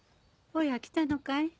おや来たのかい？